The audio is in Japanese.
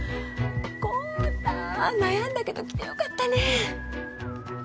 孝多悩んだけど来てよかったね